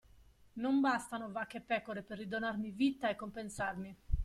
Non bastano vacche e pecore per ridonarmi vita e compensarmi!